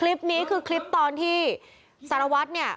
คลิปนี้คือคลิปตอนที่สารวัตรเนี่ย